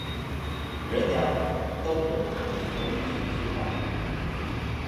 仁良都人常使用石岐话。